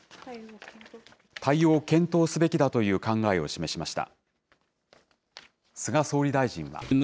対応を検討すべきだという考えを示しました。